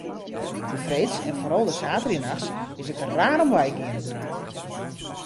De freeds en foaral de saterdeitenachts is it der raar om wei gien.